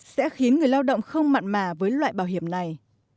sẽ khiến người lao động không mặn mà với loại bảo hiểm này